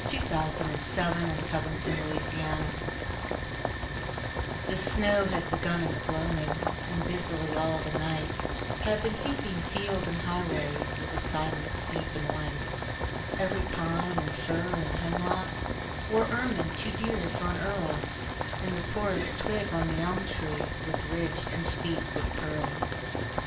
1900. By James RussellLowell 351 The First Snow Fall THE SNOW had begun in the gloaming, And busily all the nightHad been heaping field and highwayWith a silence deep and white. Every pine and fir and hemlockWore ermine too dear for an earl, And the poorest twig on the elm treeWas ridged inch deep with pearl.